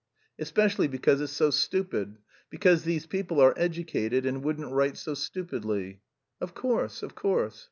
"Especially because it's so stupid. Because these people are educated and wouldn't write so stupidly." "Of course, of course."